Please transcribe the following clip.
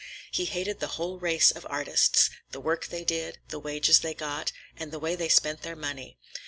He hated the whole race of artists; the work they did, the wages they got, and the way they spent their money.